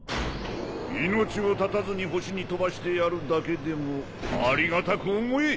命を絶たずに星に飛ばしてやるだけでもありがたく思え。